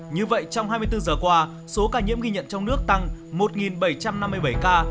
như vậy trong hai mươi bốn giờ qua số ca nhiễm ghi nhận trong nước tăng một bảy trăm năm mươi bảy ca